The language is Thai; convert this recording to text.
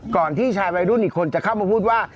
ก่อนที่ชายวัยรุ่นอีกคนจะเข้ามาพูดว่า